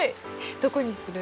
どこにする？